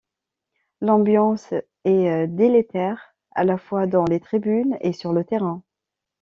L'ambiance est délétère à la fois dans les tribunes et sur le terrain.